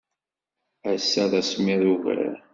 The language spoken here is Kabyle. Ass-a, d asemmiḍ ugar.